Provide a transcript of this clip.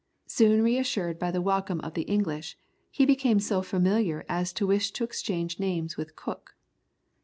Soon reassured by the welcome of the English, he became so familiar as to wish to exchange names with Cook.